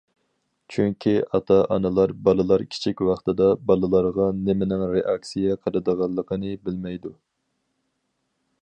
چۈنكى ئاتا- ئانىلار بالىلار كىچىك ۋاقتىدا بالىلارغا نېمىنىڭ رېئاكسىيە قىلىدىغانلىقىنى بىلمەيدۇ.